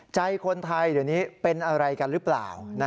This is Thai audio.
ใจคนไทยเดี๋ยวนี้เป็นอะไรกันหรือเปล่า